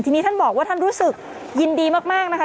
ทีนี้ท่านบอกว่าท่านรู้สึกยินดีมากนะคะ